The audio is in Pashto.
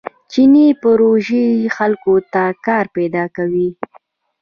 چیني پروژې خلکو ته کار پیدا کوي.